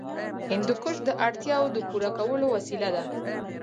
هندوکش د اړتیاوو د پوره کولو وسیله ده.